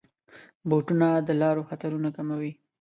بوټونه د لارو خطرونه کموي.